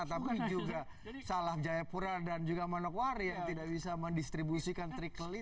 tapi juga salah jayapura dan juga manokwari yang tidak bisa mendistribusikan trickly